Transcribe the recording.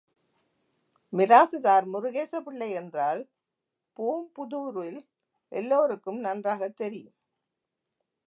மிராசுதார் முருகேச பிள்ளை என்றால் பூம்புதூரில் எல்லோருக்கும் நன்றாகத் தெரியும்.